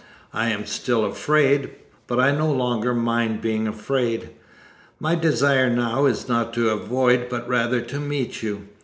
I am still afraid, but I no longer mind being afraid. My desire now is not to avoid, but rather to meet you.